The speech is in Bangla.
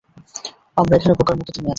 আমরা এখানে বোকার মতো থেমে আছি!